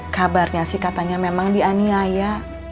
kabarnya sih katanya memang dianiaya